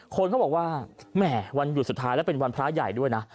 คนเขาบอกว่าแหม่วันหยุดสุดท้ายและเป็นวันพระใหญ่ด้วยนะ